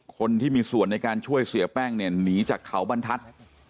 คนที่มีส่วนในการช่วยเสียแป้งเนี่ยหนีจากเขาบรรทัศน์